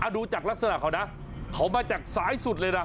ดูจากลักษณะเขานะเขามาจากซ้ายสุดเลยนะ